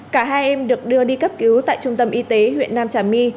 cả hai em được đưa đi cấp cứu tại trung tâm y tế huyện nam trà my